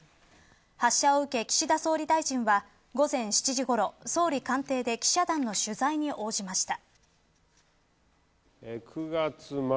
発射を受け、岸田総理大臣は午前７時ごろ、総理官邸で記者団の取材に応じました。